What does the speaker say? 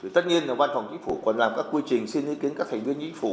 tất nhiên là văn phòng chính phủ còn làm các quy trình xin ý kiến các thành viên chính phủ